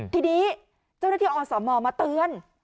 ทีนี้เจ้าหน้าที่อสมมาเตือน